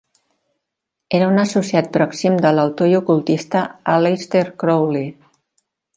Era un associat pròxim de l'autor i ocultista Aleister Crowley.